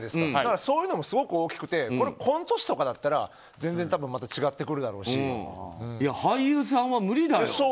そういうのもすごく大きくてこれはコント師とかなら俳優さんは無理だよ。